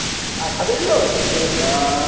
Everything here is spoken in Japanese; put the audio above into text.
食べるのはおいしいけどね。